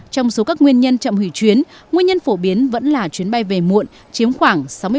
trong số các nguyên nhân chậm hủy chuyến nguyên nhân phổ biến vẫn là chuyến bay về muộn chiếm khoảng sáu mươi bảy tới sáu mươi tám